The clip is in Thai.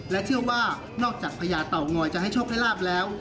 และเชื่อว่านอกจากพญาเต่างอยจะให้โชคให้ลาบแล้ว